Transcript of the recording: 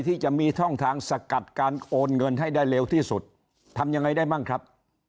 ที่จะมีช่องทางสกัดการโอนเงินให้ได้เร็วที่สุดทำยังไงได้มั่งครับ